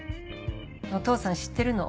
お父さん知ってるの？